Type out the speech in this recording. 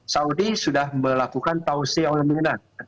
saudi sudah melakukan tausi olimina